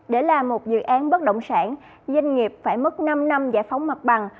để làm một dự án bất động sản doanh nghiệp phải mất năm năm giải phóng mặt bằng